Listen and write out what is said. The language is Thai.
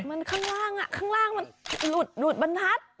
มันข้างล่างข้างล่างมันหลุดหลุดบรรทัศน์